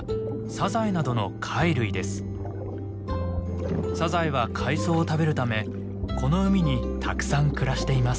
サザエは海藻を食べるためこの海にたくさん暮らしています。